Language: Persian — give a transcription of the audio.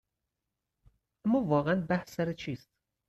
اما واقعا بحث سر چیست؟